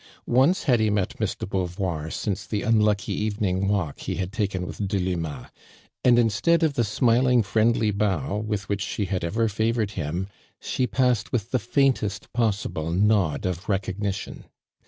Once had he met Miss de Beauvoir since the unlucky evening walk he had taken with Delima, and instead of the smiling, friendly bowwith Which she had ever fever ed him, she passed with the faintest possi ble nod of recognition.